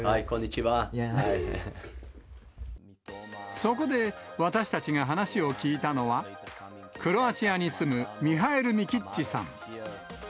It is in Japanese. そこで、私たちが話を聞いたのは、クロアチアに住むミハエル・ミキッチさん。